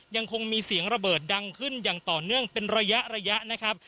ยังคงมีเสียงระเบิดดังขึ้นอย่างต่อเนื่องเป็นระยะระยะนะครับ